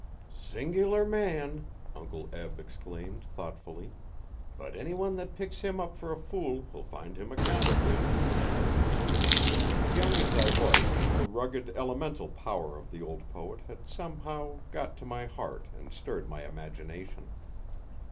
'Sing'lar man!' Uncle Eli exclaimed, thoughtfully, 'but anyone thet picks him up fer a fool'll find him a counterfeit.' Young as I was, the rugged, elemental power of the old poet had somehow got to my heart and stirred my imagination.